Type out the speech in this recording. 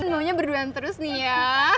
maunya berduaan terus nih ya